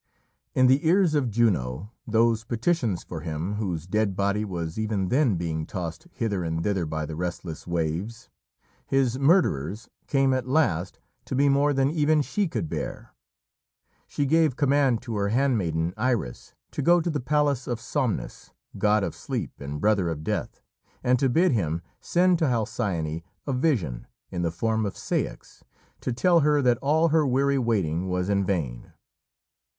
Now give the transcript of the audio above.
In the ears of Juno those petitions for him whose dead body was even then being tossed hither and thither by the restless waves, his murderers, came at last to be more than even she could bear. She gave command to her handmaiden Iris to go to the palace of Somnus, god of Sleep and brother of Death, and to bid him send to Halcyone a vision, in the form of Ceyx, to tell her that all her weary waiting was in vain.